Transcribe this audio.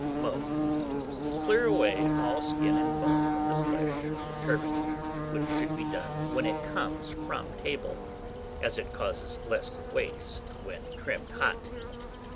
Mode. Clear away all skin and bone from the flesh of the turbot, which should be done when it comes from table, as it causes less waste when trimmed hot.